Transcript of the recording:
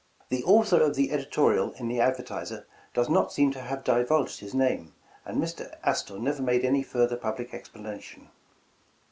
"The author of the editorial in the 'Advertiser' does not seem to have divulged his name, and Mr. Astor never made any further public explanation.